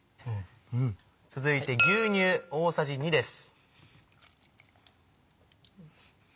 続いて牛乳大さじ２です。